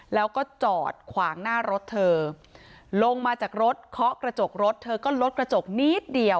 แล้วก็จอดขวางหน้ารถเธอลงมาจากรถเคาะกระจกรถเธอก็ลดกระจกนิดเดียว